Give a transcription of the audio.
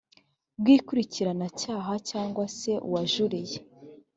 bw ikurikiranacyaha cyangwa se uwajuriye